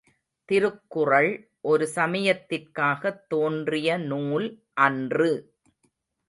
திருக்குறள் ஒரு சமயத்திற்காகத் தோன்றிய நூல் அன்று!